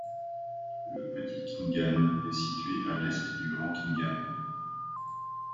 Le Petit Khingan est situé à l'est du Grand Khingan.